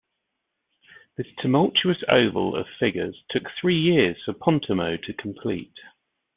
This tumultuous oval of figures took three years for Pontormo to complete.